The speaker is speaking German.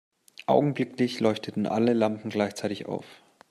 Augenblicklich leuchteten alle Lampen gleichzeitig auf.